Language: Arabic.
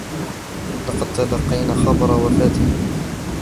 لقد تلقينا خبر وفاته.